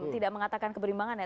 tidak mengatakan keberimbangannya